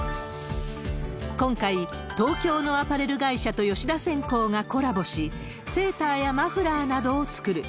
今回、東京のアパレル会社と吉田染工がコラボし、セーターやマフラーなどを作る。